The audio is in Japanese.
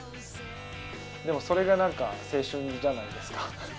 でもそれがなんか青春じゃないですか。